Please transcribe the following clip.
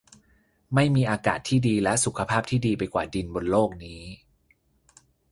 ไม่มีอากาศที่ดีและสุขภาพที่ดีไปกว่าดินบนโลกนี้